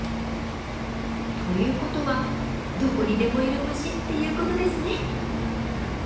ということはどこにでもいる虫っていうことですね。